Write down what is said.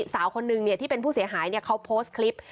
สาวคนนึงที่เป็นผู้เสียหายเขาโพสต์คลิป